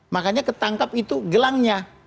makanya ketangkap itu gelangnya